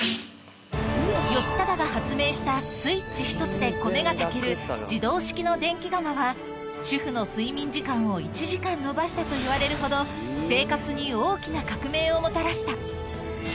義忠が発明した、スイッチ一つで米が炊ける、自動式の電気釜は、主婦の睡眠時間を１時間延ばしたといわれるほど、生活に大きな革命をもたらした。